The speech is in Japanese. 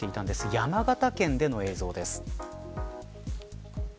山形県での映像です。